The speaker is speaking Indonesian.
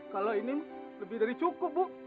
kalau ini lebih dari cukup bu